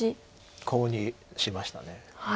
コウにしました。